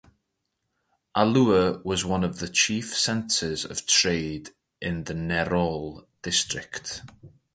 Allur was one of the chief centers of trade in Nellore District.